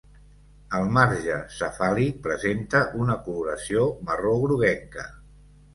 El marge cefàlic presenta una coloració marró groguenca.